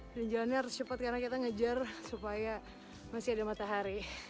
dan jalannya harus cepat karena kita mengejar supaya masih ada matahari